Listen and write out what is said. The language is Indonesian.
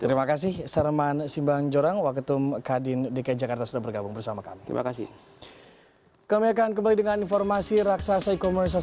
terima kasih sereman simbangjorang waketum kadin dki jakarta sudah bergabung bersama kami